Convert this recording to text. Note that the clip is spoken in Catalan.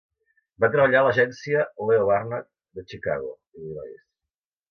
Va treballar a l'agència Leo Burnett de Chicago (Illinois).